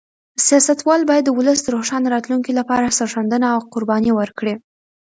سیاستوال باید د ولس د روښانه راتلونکي لپاره سرښندنه او قرباني ورکړي.